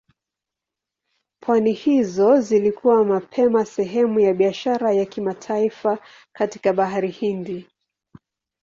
Pwani hizo zilikuwa mapema sehemu ya biashara ya kimataifa katika Bahari Hindi.